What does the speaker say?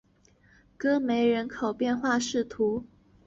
戈梅人口变化图示